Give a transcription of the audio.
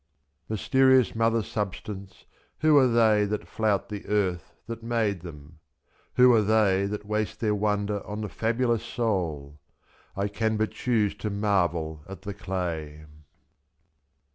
68 Mysterious mother substance, who are they That flout the earth that made them ? Who are they / 4 4. That waste their wonder on the fabulous soul? I can but choose to marvel at the clay.